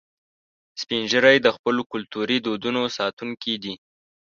سپین ږیری د خپلو کلتوري دودونو ساتونکي دي